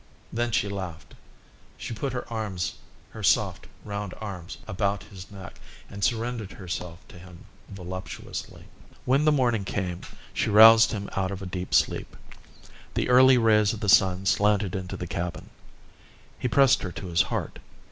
Then she laughed. She put her arms, her soft, round arms, about his neck, and surrendered herself to him voluptuously. When the morning came she roused him out of a deep sleep. The early rays of the sun slanted into the cabin. He pressed her to his heart.